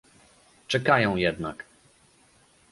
Czekają jednak